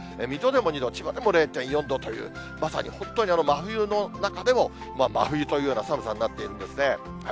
水戸でも２度、千葉でも０．４度という、まさに本当に真冬の中でも、真冬というような寒さになっているんですね。